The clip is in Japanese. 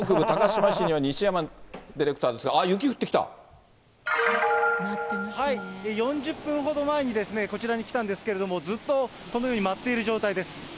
高島市の西山ディレクターですが、あっ、雪降っ４０分ほど前にこちらに来たんですけども、ずっとこのように舞っている状態です。